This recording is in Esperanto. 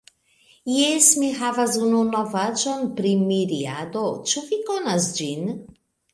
Jes, mi havas unu novaĵon pri Miriado. Ĉu vi konas ĝin?